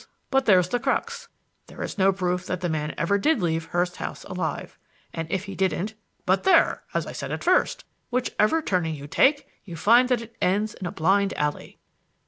But there's the crux: there is no proof that the man ever did leave Hurst's house alive. And if he didn't but there! as I said at first, whichever turning you take, you find that it ends in a blind alley."